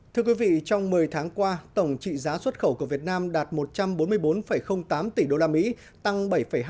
thưa quý vị trong một mươi tháng qua tổng trị giá xuất khẩu của việt nam đạt một trăm bốn mươi bốn tám tỷ usd tăng bảy hai